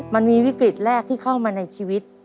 มันมีวิกฤตแรกที่เข้ามาในชีวิต